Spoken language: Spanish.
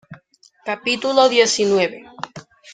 capítulo diecinueve.